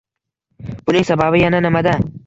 Buning sababi yana nimada?